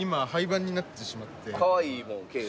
かわいいもんケース。